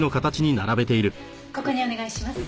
ここにお願いします。